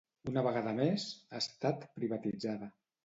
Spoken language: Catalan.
Una vegada més, ha estat privatitzada.